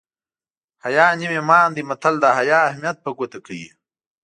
حیا نیم ایمان دی متل د حیا اهمیت په ګوته کوي